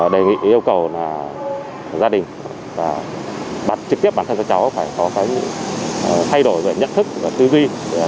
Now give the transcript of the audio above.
đề nghị yêu cầu gia đình trực tiếp bản thân cho cháu phải có thay đổi nhận thức tư duy